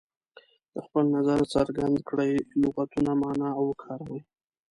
د خپل نظر څرګند کړئ لغتونه معنا او وکاروي.